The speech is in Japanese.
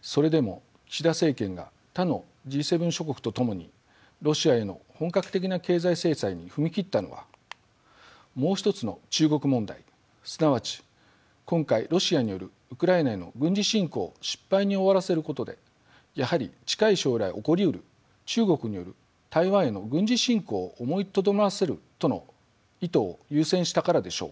それでも岸田政権が他のＧ７諸国と共にロシアへの本格的な経済制裁に踏み切ったのはもう一つの中国問題すなわち今回ロシアによるウクライナへの軍事侵攻を失敗に終わらせることでやはり近い将来起こりうる中国による台湾への軍事侵攻を思いとどまらせるとの意図を優先したからでしょう。